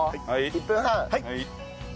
１分半。